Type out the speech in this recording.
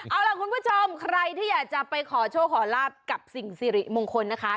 เอาล่ะคุณผู้ชมใครที่อยากจะไปขอโชคขอลาบกับสิ่งสิริมงคลนะคะ